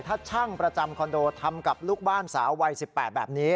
ถ้าช่างประจำคอนโดทำกับลูกบ้านสาววัย๑๘แบบนี้